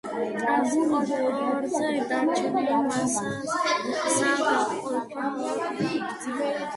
ტრანსპორტიორზე დარჩენილი მასა გაიყოფა ორ ფრაქციად.